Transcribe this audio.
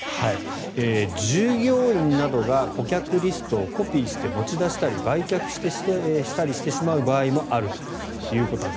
従業員などが顧客リストをコピーして持ち出したり売却したりしてしまう場合もあるということです。